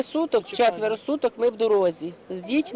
dengan anak anak kita tidur di sini dan kita berpikir pikir